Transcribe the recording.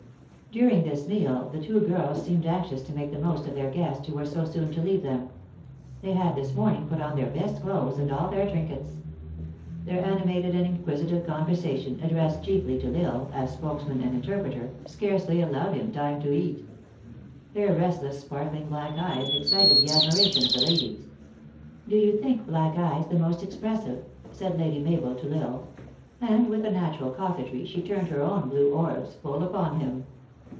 During this meal, the two girls seemed anxious to make the most of their guests, who were so soon to leave them. They had this morning put on their best clothes, and all their trinkets. Their animated and inquisitive conversation, addressed chiefly to L Isle as spokesman and interpreter, scarcely allowed him THE ACTRESS IN HIGH LIFE. 223 time to eat. Their restless, sparkling black eyes, ex cited the admiration of the ladies. " Do you think black eyes the most expressive?" said Lady Mabel to L Isle ; and, with a natural coquetry, she turned her own blue orbs full upon him.